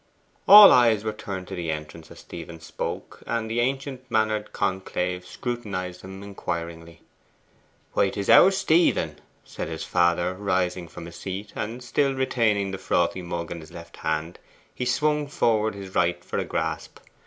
All eyes were turned to the entrance as Stephen spoke, and the ancient mannered conclave scrutinized him inquiringly. 'Why, 'tis our Stephen!' said his father, rising from his seat; and, still retaining the frothy mug in his left hand, he swung forward his right for a grasp.